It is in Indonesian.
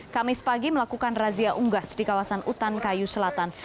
kamis pagi melakukan razia unggas di kawasan utan kayu selatan